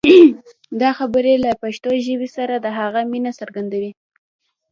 دا خبرې له پښتو ژبې سره د هغه مینه څرګندوي.